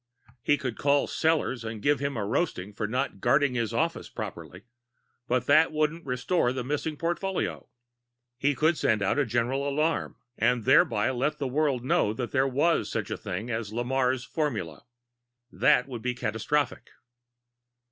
He could call Sellors and give him a roasting for not guarding his office properly, but that wouldn't restore the missing portfolio. He could send out a general alarm, and thereby let the world know that there was such a thing as Lamarre's formula. That would be catastrophic.